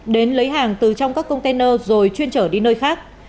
đến lấy hàng từ trong các container rồi chuyên trở đi nơi khác